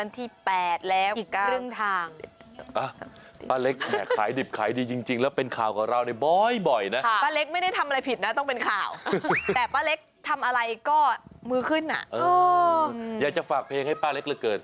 แต่ป้าเล็กทำอะไรก็มือขึ้นอ่ะอยากจะฝากเพลงให้ป้าเล็กเลยเกิน